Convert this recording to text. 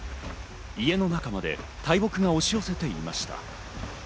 家の中まで大木が押し寄せていました。